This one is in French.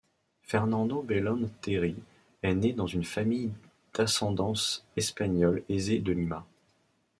Fernando Belaúnde Terry est né dans une famille d’ascendance espagnole aisée de Lima.